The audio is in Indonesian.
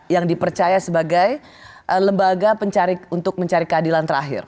yang dipercaya sebagai lembaga pencari untuk mencari keadilan terakhir